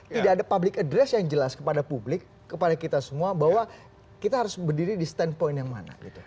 tidak ada public address yang jelas kepada publik kepada kita semua bahwa kita harus berdiri di standpoint yang mana